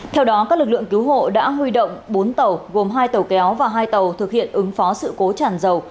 theo đó các lực lượng cứu hộ đã huy động bốn tàu gồm hai tàu kéo và hai tàu thực hiện ứng phó sự cố chản dầu